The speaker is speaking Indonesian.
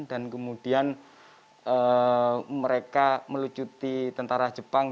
dan kemudian mereka melucuti tentara jepang